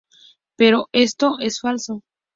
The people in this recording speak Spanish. Pero esto es falso.